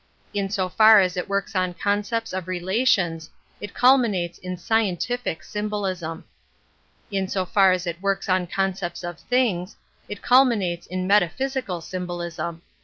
In so far as it workw 7 An Introduction^i on concepts of relations, it culminates in scientific symbolism. In so far as it works on concepts of things, it culminates in metaphysical symbolism.